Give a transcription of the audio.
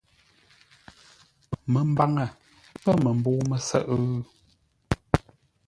Məmbaŋə pə̂ məmbə̂u mə́sə́ghʼə́?